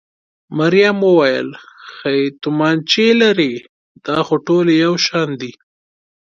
مريم وویل: ښې تومانچې لرئ؟ دا خو ټولې یو شان دي.